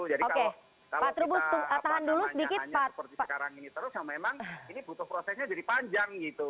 jadi kalau kita apa pertanyaannya seperti sekarang ini terus yang memang ini butuh prosesnya jadi panjang gitu